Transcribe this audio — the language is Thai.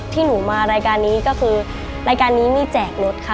ที่หนูมารายการนี้ก็คือรายการนี้มีแจกรถค่ะ